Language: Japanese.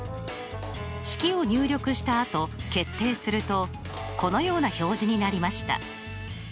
式を入力したあと決定するとこのような表示になりました。